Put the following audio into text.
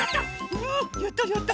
うやったやった！